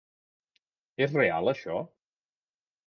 És real això?